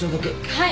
はい。